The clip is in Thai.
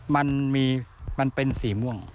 มันมีมันเป็นสีม่วง